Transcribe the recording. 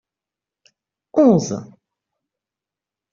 onze.